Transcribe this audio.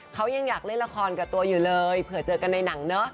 เขายังอยากเล่นละครกับตัวอยู่เลยเผื่อเจอกันในหนังเนอะ